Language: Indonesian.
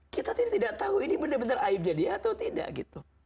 kita tidak tahu ini benar benar aibnya dia atau tidak gitu